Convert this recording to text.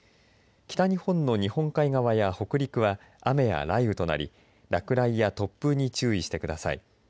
北日本の日本海側北陸は雷雨となり落雷や突風に注意してください。